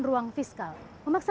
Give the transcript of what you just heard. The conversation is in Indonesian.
yang ketiga sebagai perusahaan